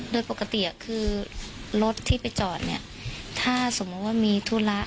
โดยปกติคือรถที่ไปจอดเนี่ยถ้าสมมุติว่ามีธุระ